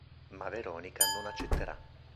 Ma Veronica non accetterà.